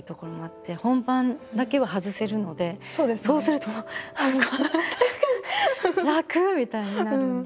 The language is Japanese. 本番だけは外せるのでそうするともう「楽！」みたいになるんで。